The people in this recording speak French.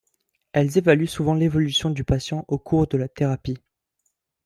Elles évaluent souvent l'évolution du patient au cours de la thérapie.